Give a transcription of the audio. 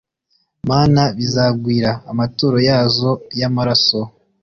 Mana bizagwira amaturo yazo y amaraso